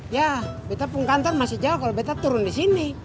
ya betapeng kantor masih jauh kalau betapeng turun disini